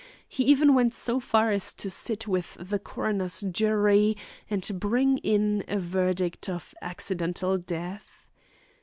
He even went so far as to sit with the coroner's jury and bring in a verdict of "Accidental Death."